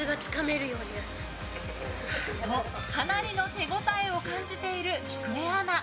と、かなりの手応えを感じている、きくえアナ。